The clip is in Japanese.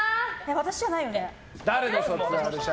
私じゃないよね？